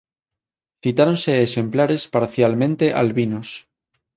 Citáronse exemplares parcialmente albinos.